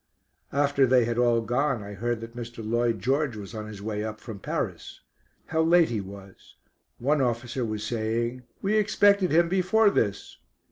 After they had all gone, I heard that Mr. Lloyd George was on his way up from Paris. How late he was, one officer was saying: "We expected him before this."